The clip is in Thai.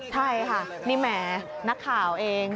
ใช่ค่ะนี่แหมนักข่าวเอง